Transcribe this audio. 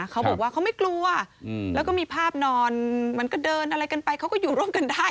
เขาบอกว่าเขาไม่กลัวแล้วก็มีภาพนอนเหมือนก็เดินอะไรกันไปเขาก็อยู่ร่วมกันได้